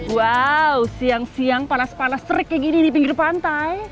wow siang siang panas panas serik kayak gini di pinggir pantai